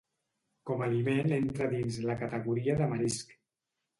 Com aliment entra dins la categoria de marisc.